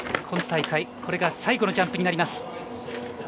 これが最後のジャンプになります。